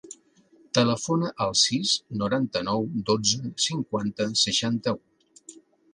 Telefona al sis, noranta-nou, dotze, cinquanta, seixanta-u.